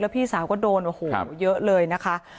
พี่สาวก็โดนโอ้โหเยอะเลยนะคะ